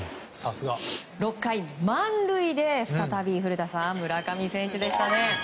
６回、満塁で再び村上選手でしたね。